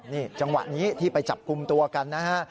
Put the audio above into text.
นี่จังหวะนี้ที่ไปจับกลุ่มตัวกันนะฮะ